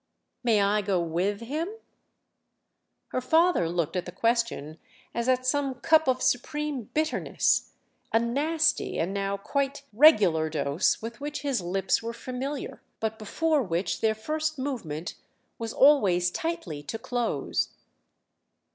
"May I go with him?" Her father looked at the question as at some cup of supreme bitterness—a nasty and now quite regular dose with which his lips were familiar, but before which their first movement was always tightly to close.